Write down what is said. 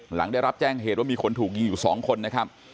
หลังได้รับแจ้งเหตุว่ามีคนถูกยิงอยู่๒คนนะครับ